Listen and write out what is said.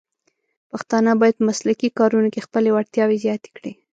پښتانه بايد په مسلکي کارونو کې خپلې وړتیاوې زیاتې کړي.